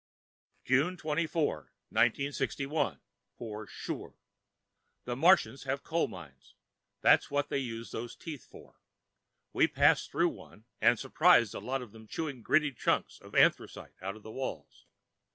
June 24, 1961, for sure The Martians have coal mines. That's what they use those teeth for. We passed through one and surprised a lot of them chewing gritty hunks of anthracite out of the walls.